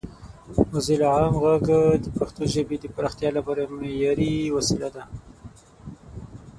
موزیلا عام غږ د پښتو ژبې د پراختیا لپاره یوه معیاري وسیله ده.